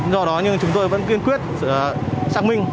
do đó nhưng chúng tôi vẫn kiên quyết xác minh